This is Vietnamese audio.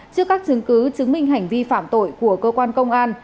trước các chứng cứ chứng minh hành vi phạm tội của cơ quan công an